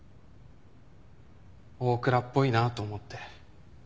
大倉っぽいなと思って。